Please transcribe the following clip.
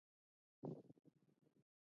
د تودوخې د وهلو لپاره د څه شي شربت وڅښم؟